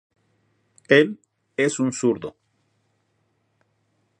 Él es un zurdo.